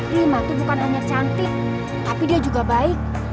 lima tuh bukan hanya cantik tapi dia juga baik